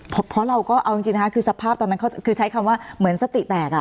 เพราะเราก็เอาจริงนะคะคือสภาพตอนนั้นเขาคือใช้คำว่าเหมือนสติแตกอ่ะ